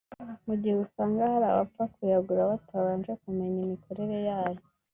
mu gihe usanga hari abapfa kuyagura batabanje kumenya imikorere yayo